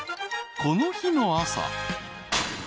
［この日の朝］